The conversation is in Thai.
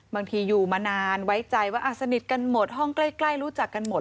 อยู่มานานไว้ใจว่าสนิทกันหมดห้องใกล้รู้จักกันหมด